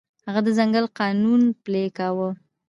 هغه د ځنګل قانون پلی کاوه.